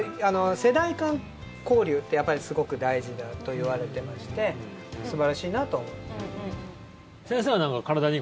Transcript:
世代間交流ってやっぱりすごく大事だといわれていまして素晴らしいなと思います。